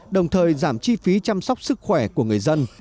đồng thời giảm chi phí chăm sóc sức khỏe của người dân